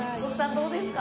どうですか？